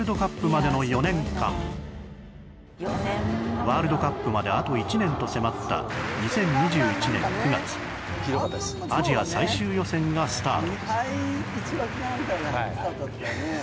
ワールドカップまであと１年と迫った、２０２１年９月アジア最終予選がスタート。